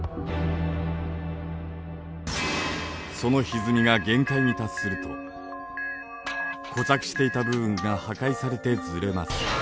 そのひずみが限界に達すると固着していた部分が破壊されてずれます。